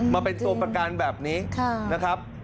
มาเป็นตัวประกันแบบนี้นะครับ